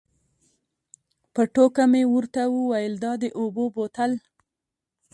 په ټوکه مې ورته وویل دا د اوبو بوتل.